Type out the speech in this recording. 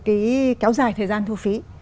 kéo dài thời gian thu phí